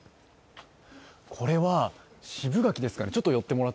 これは渋柿ですか？